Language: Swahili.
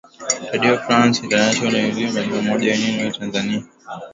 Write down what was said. a redio france international na tunakutangazia moja kwa moja kutoka dar es salaam tanzania